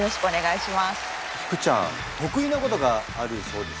福ちゃん得意なことがあるそうですね。